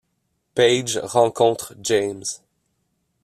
Paige rencontre James.